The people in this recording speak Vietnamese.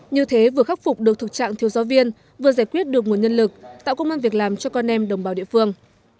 như thế vừa khắc phục được thực trạng thiếu giáo viên vừa giải quyết được nguồn nhân lực tạo công an việc làm cho con em đồng bào địa phương